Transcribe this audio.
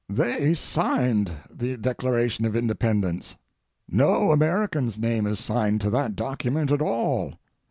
They signed the Declaration of Independence; no American's name is signed to that document at all.